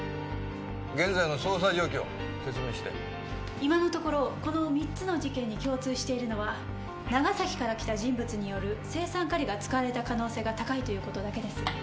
今のところこの３つの事件に共通しているのは長崎から来た人物による青酸カリが使われた可能性が高いということだけです。